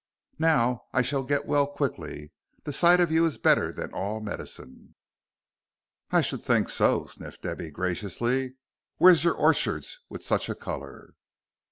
"Now I shall get well quickly. The sight of you is better than all medicine." "I should think so," sniffed Debby, graciously. "Where's your orchards, with sich a color."